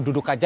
mau duduk aja